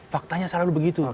faktanya selalu begitu